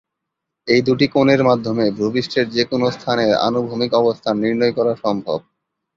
এই দুটি কোণের মাধ্যমে ভূপৃষ্ঠের যেকোন স্থানের আনুভূমিক অবস্থান নির্ণয় করা সম্ভব।